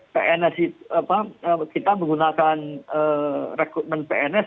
pns kita menggunakan rekrutmen pns